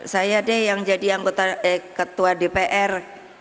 saya deh yang jadi ketua dpr